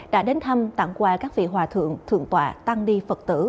đã đến thăm tặng quà các vị hòa thượng thượng tọa tăng đi phật tử